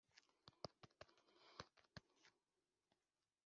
kandi abo ayiha baba bahembwa amafaranga ava mu misoro y'abaturage?